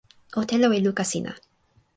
o telo e luka sina.